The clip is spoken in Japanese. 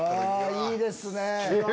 いいですね。